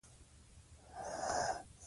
غابي وایي روژه د خدای خوښي راوړي.